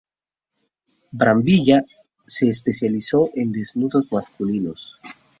Brambilla se especializó en desnudos masculinos.